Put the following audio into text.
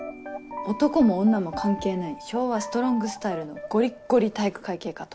男も女も関係ない昭和ストロングスタイルのゴリッゴリ体育会系かと。